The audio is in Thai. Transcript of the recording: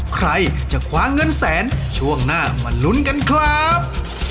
ใครจะคว้าเงินแสนช่วงหน้ามาลุ้นกันครับ